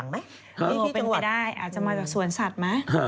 นี่ที่เป็นไปได้อาจจะมาจากสวนสัตว์ไหม